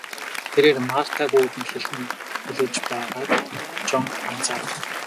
Тэрээр Мартаг үүдэнд хэрхэн хүлээж байгааг Жон анзаарав.